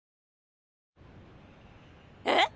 えっ！？